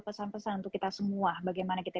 pesan pesan untuk kita semua bagaimana kita